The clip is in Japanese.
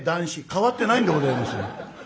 変わってないんでございます。